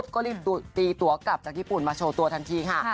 ก็รีบตีตัวกลับจากญี่ปุ่นมาโชว์ตัวทันทีค่ะ